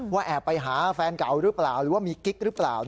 แอบไปหาแฟนเก่าหรือเปล่าหรือว่ามีกิ๊กหรือเปล่า